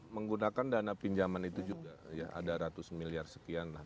menggunakan dana pinjaman itu juga ya ada ratus miliar sekian lah